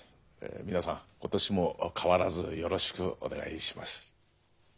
皆さん今年も変わらずよろしくお願いします。